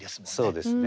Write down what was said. そうですね。